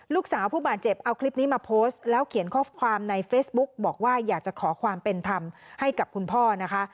ลูกสาวผู้บาดเจ็บเอาคลิปนี้มาโพสต์แล้วเขียนข้อความในเฟซบุ๊กบอกว่าอยากจะขอความเป็นธรรมให้กับคุณพ่อนะคะ